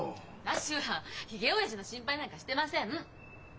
私はひげおやじの心配なんかしてません！